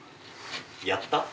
やった？